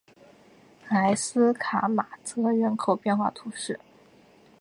莱斯卡马泽人口变化图示